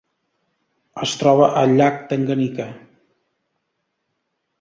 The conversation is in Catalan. Es troba al llac Tanganyika.